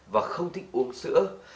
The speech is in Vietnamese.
và không thích uống sữa